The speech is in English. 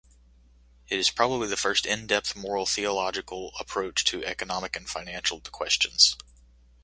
It is probably the first in-depth moral theological approach to economic and financial questions.